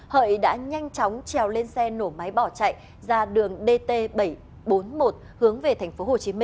hợi đã nhanh chóng trèo lên xe nổ máy bỏ chạy ra đường dt bảy trăm bốn mươi một hướng về tp hcm